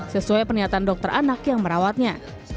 sesuai pernyataan dokter anak yang merawatnya